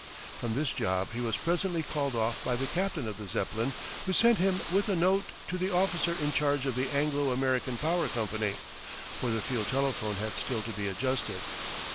From this job he was presently called off by the captain of the Zeppelin, who sent him with a note to the officer in charge of the Anglo American Power Company, for the field telephone had still to be adjusted.